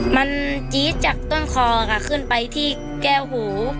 มันจี๊ดจากต้นคอค่ะขึ้นไปที่แก้วหู